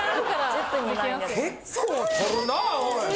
結構取るなあおい！